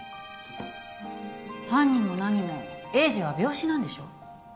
犯人もなにも栄治は病死なんでしょ？